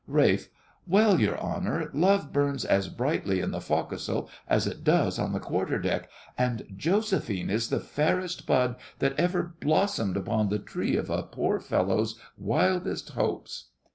RALPH. Well, your honour, love burns as brightly in the fo'c'sle as it does on the quarter deck, and Josephine is the fairest bud that ever blossomed upon the tree of a poor fellow's wildest hopes.